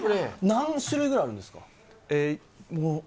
何種類くらいあるんですか？